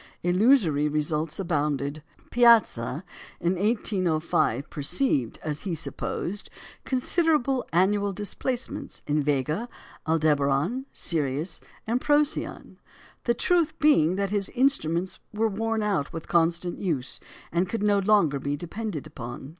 Illusory results abounded. Piazza in 1805 perceived, as he supposed, considerable annual displacements in Vega, Aldebaran, Sirius, and Procyon; the truth being that his instruments were worn out with constant use, and could no longer be depended upon.